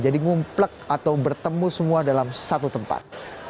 jadi ngumplek atau bertemu semua dalam satu tempat